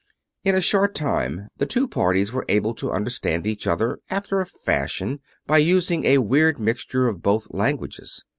In a short time the two parties were able to understand each other after a fashion, by using a weird mixture of both languages.